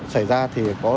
xảy ra thì có